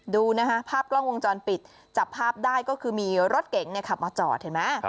ดูนะฮะภาพกล้องวงจรปิดจับภาพได้ก็คือมีรถเก๋งขับมาจอดเห็นไหม